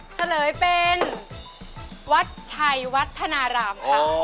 เฉลยเป็นวัดชัยวัฒนารามค่ะ